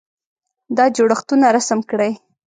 دا جوړښتونه رسم کړئ.